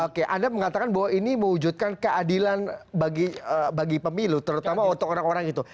oke anda mengatakan bahwa ini mewujudkan keadilan bagi pemilu terutama untuk orang orang itu